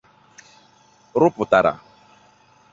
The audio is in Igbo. rụpụtara